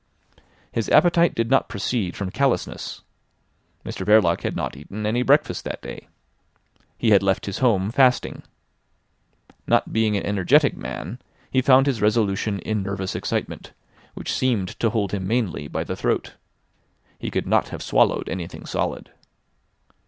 His appetite did not proceed from callousness. Mr Verloc had not eaten any breakfast that day. He had left his home fasting. Not being an energetic man, he found his resolution in nervous excitement, which seemed to hold him mainly by the throat. He could not have swallowed anything solid.